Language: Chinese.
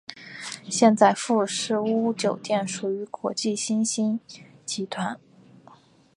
现在富士屋酒店属于国际兴业集团。